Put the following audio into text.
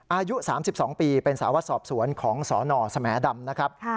อายุ๓๒ปีเป็นสาวสอบสวนของสนสแหมดำนะครับ